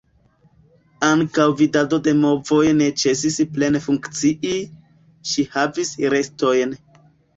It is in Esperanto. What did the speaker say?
Ankaŭ vidado de movoj ne ĉesis plene funkcii, ŝi havis restojn.